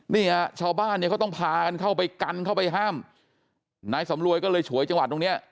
นี่ฮะชาวบ้านเนี่ยเขาต้องพากันเข้าไปกันเข้าไปห้ามนายสำรวยก็เลยฉวยจังหวัดตรงเนี้ย